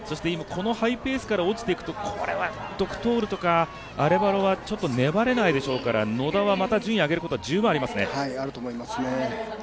そしてこのハイペースから落ちていくとこれはドクトールとかアレバロは粘れないでしょうから野田はまた順位を上げることが十分あると思います。